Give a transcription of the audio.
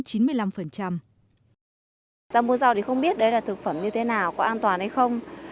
giá mua rau thì không biết đấy là thực phẩm như thế nào có an toàn hay không